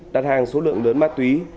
đặt hàng số lượng lớn ma túy